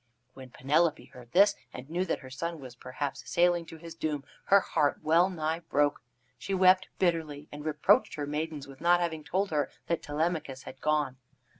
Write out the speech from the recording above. When Penelope heard this, and knew that her son was perhaps sailing to his doom, her heart well nigh broke. She wept bitterly, and reproached her maidens with not having told her that Telemachus had gone.